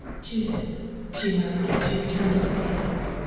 '' Judas, '' she murmured as she returned to the piano.